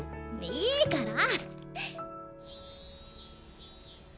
いいから！